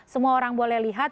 semua orang boleh lihat